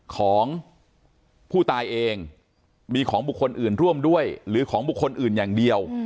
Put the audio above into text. ของผู้ตายเองมีของบุคคลอื่นร่วมด้วยหรือของบุคคลอื่นอย่างเดียว